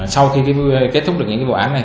sau khi kết thúc được những vụ án này